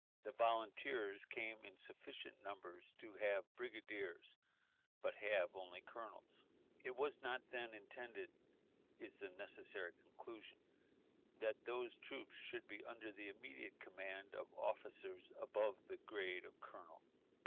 The volunteers come in sufficient numbers to have brigadiers, but have only colonels. It was not then intended (is the necessary conclusion) that those troops should be under the immediate command of officers above the grade of colonel.